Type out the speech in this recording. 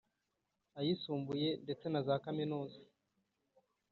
ayisumbuye ndetse na za kaminuza,